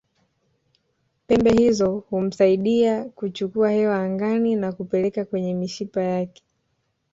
Pembe hizo humsaidia kuchukua hewa angani na kupeleka kwenye mishipa yake